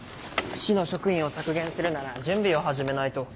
市の職員を削減するなら準備を始めないと。